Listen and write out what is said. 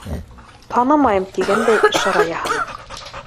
Танымайым тигәндәй ишара яһаным.